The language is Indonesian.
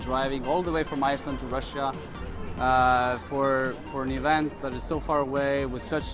dan mengembali dari islandia ke rusia untuk acara yang jauh